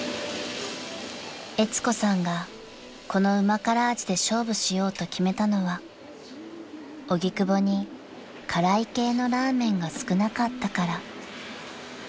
［えつ子さんがこの旨辛味で勝負しようと決めたのは荻窪に辛い系のラーメンが少なかったから］